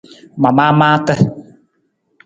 Ma maa maata.